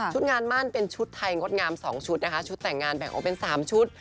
งานมั่นเป็นชุดไทยงดงาม๒ชุดนะคะชุดแต่งงานแบ่งออกเป็น๓ชุด